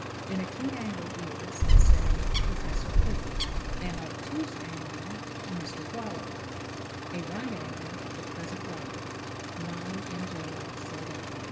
An acute angle is, say, Professor Clifford; an obtuse angle, Mr. Whalley; a right angle, the present writer: non angeli sed Angli.